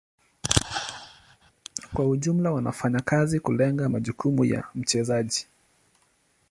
Kwa ujumla wanafanya kazi kulenga majukumu ya mchezaji.